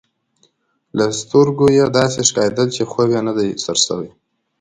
له سترګو يې داسي ښکارېدل، چي خوب یې نه دی سر شوی.